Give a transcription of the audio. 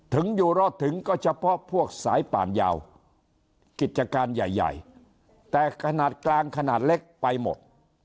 อยู่รอดถึงก็เฉพาะพวกสายป่านยาวกิจการใหญ่ใหญ่แต่ขนาดกลางขนาดเล็กไปหมด